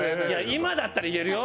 今だったら言えるよ。